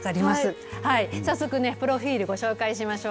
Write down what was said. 早速ね、プロフィールご紹介しましょう。